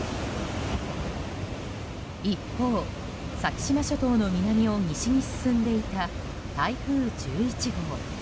一方、先島諸島の南を西に進んでいた台風１１号。